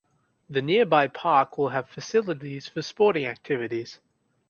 The nearby park will have facilities for sporting activities.